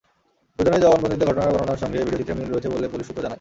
দুজনের জবানবন্দিতে ঘটনার বর্ণনার সঙ্গে ভিডিওচিত্রের মিল রয়েছে বলে পুলিশ সূত্র জানায়।